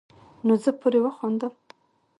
نو زۀ پورې وخاندم ـ